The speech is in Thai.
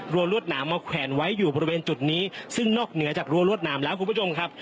รวดหนามมาแขวนไว้อยู่บริเวณจุดนี้ซึ่งนอกเหนือจากรั้วรวดหนามแล้วคุณผู้ชมครับ